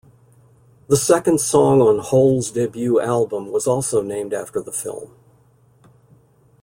The second song on Hole's debut album was also named after the film.